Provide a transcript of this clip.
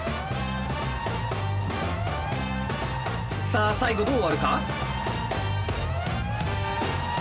さあ最後どう終わるか。